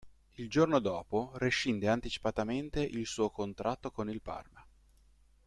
Il giorno dopo rescinde anticipatamente il suo contratto con il Parma.